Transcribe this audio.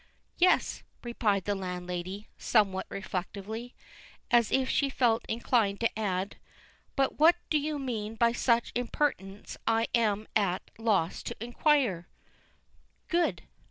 "Yes," replied the landlady, somewhat reflectively, as if she felt inclined to add, "But what you mean by such impertinence I am at a loss to inquire." "Good!"